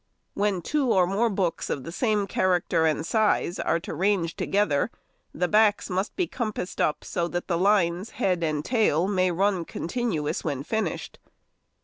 When two or more books of the same character and size are to range together, the backs must be compassed up so that the lines head and tail may run continuous when finished.